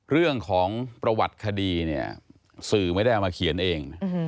เรื่องของประวัติคดีเนี่ยสื่อไม่ได้เอามาเขียนเอง